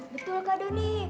betul kak doni